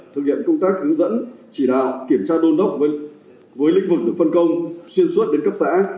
thực hiện công tác hướng dẫn chỉ đạo kiểm tra đôn đốc với lĩnh vực được phân công xuyên suốt đến cấp xã